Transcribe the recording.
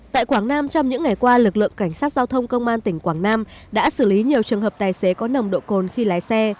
tại quảng nam trong những ngày qua lực lượng cảnh sát giao thông công an tỉnh quảng nam đã xử lý nhiều trường hợp tài xế có nồng độ cồn khi lái xe